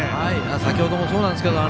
先ほどもそうなんですけど